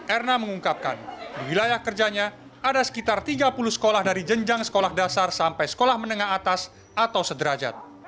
erna mengungkapkan di wilayah kerjanya ada sekitar tiga puluh sekolah dari jenjang sekolah dasar sampai sekolah menengah atas atau sederajat